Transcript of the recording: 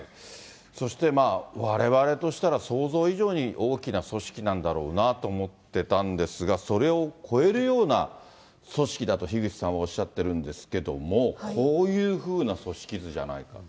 そしてわれわれとしたら、想像以上に大きな組織なんだろうなと思ってたんですが、それを超えるような組織だと、樋口さんはおっしゃってるんですけども、こういうふうな組織図じゃないかと。